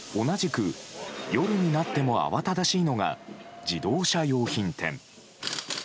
同じく夜になっても慌ただしいのが自動車用品店。